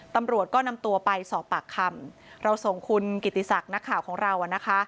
ตำรวจก็นำตัวไปสอบปากคำเราส่งคุณกิติศักดิ์นักข่าวของเราอ่ะนะคะ